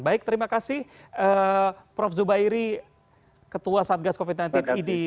baik terima kasih prof zubairi ketua satgas covid sembilan belas idi